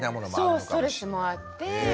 そうストレスもあって。